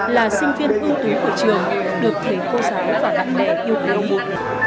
là sinh viên ưu tú của trường được thấy cô giáo và bạn bè yêu thích